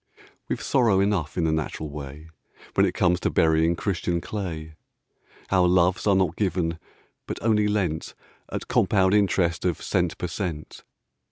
We've sorrow enough in the natural way, When it comes to burying Christian clay. Our loves are not given, but only lent, At compound interest of cent per cent.